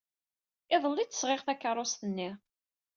Iḍelli ay d-sɣiɣ takeṛṛust-nni.